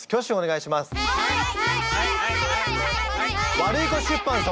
ワルイコ出版様。